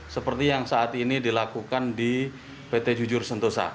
seperti yang saat ini dilakukan di pt jujur sentosa